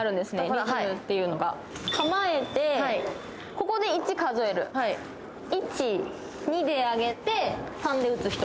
リズムっていうのが構えてここで１数える１・２で上げて３で打つ人